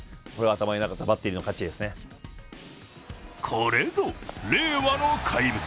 これぞ令和の怪物。